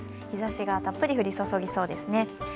日ざしがたっぷり降り注ぎそうですね。